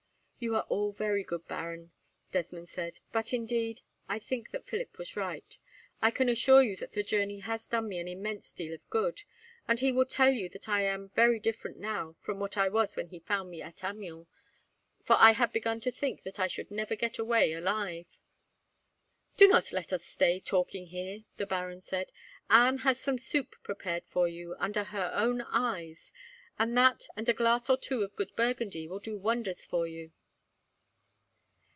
"You are all very good, Baron," Desmond said; "but, indeed, I think that Philip was right. I can assure you that the journey has done me an immense deal of good, and he will tell you that I am very different, now, from what I was when he found me at Amiens, for I had begun to think that I should never get away alive." "Do not let us stay talking here," the baron said. "Anne has had some soup prepared for you, under her own eyes; and that, and a glass or two of good Burgundy, will do wonders for you."